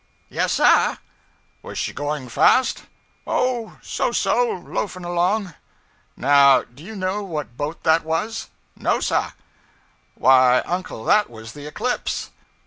'Yes, sah.' 'Was she going fast?' 'Oh, so so loafin' along.' 'Now, do you know what boat that was?' 'No, sah.' 'Why, uncle, that was the "Eclipse."'